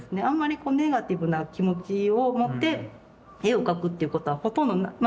あんまりネガティブな気持ちを持って絵を描くっていうことはほとんど。